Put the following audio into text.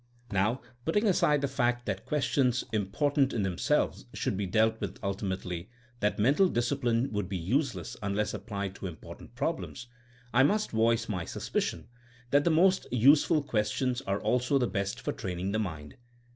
Now putting aside the fact that questions important THINEINO AS A SCIENCE 225 in themselves should be dealt with ultimately — that mental discipline would be useless unless applied to important problems — ^I must voice my suspicion that the most useful questions are also the best for training the mind.